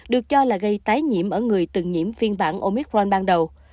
được cho là gây tái nhiễm ở người từng nhiễm phiên bản omicron ban đầu